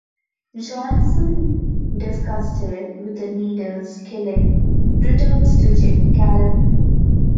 Johnson, disgusted with the needless killing, returns to Caleb.